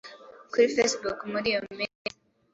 kuri Facebook muri iyo minsi.